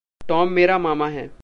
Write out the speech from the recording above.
Tom मेरा मामा है।